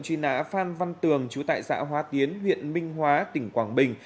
truy nã phan văn tường chú tại xã hóa tiến huyện minh hóa tỉnh quảng bình